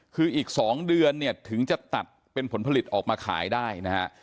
คืออีก๒เดือนเนี่ยถึงจะตัดเป็นผลผลิตออกมาขายได้นะฮะ